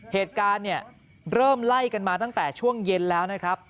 เหตุการณ์เนี่ยเริ่มไล่กันมาตั้งแต่ช่วงเย็นแล้วนะครับ